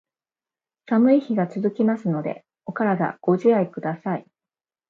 寒い日が続きますので、お体ご自愛下さい。